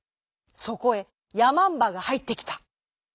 そこへやまんばがはいってきた。